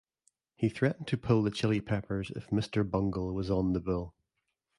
He threatened to pull the Chili Peppers if Mr. Bungle was on the bill.